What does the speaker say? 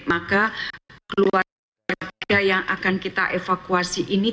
maka keluarga yang akan kita evakuasi ini